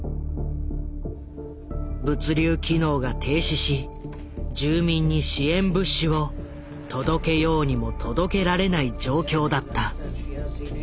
物流機能が停止し住民に支援物資を届けようにも届けられない状況だった。